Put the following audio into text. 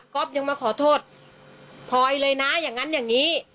ยังมาขอโทษพลอยเลยนะอย่างนั้นอย่างนี้